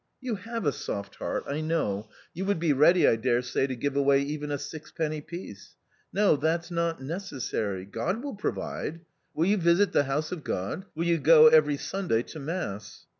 You have a soft heart, I know; you would be ready, I dare say, to give away even a sixpenny piece. No, that's not necessary; God will provide I Will you visit the house of God ? Will you go every Sunday to Mass